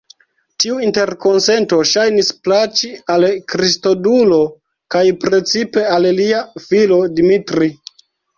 Tiu interkonsento ŝajnis plaĉi al Kristodulo, kaj precipe al lia filo Dimitri.